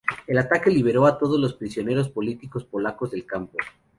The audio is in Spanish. El ataque liberó a todos los prisioneros políticos polacos del campo.